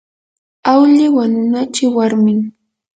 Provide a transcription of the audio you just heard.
awlli wanunachi warmin.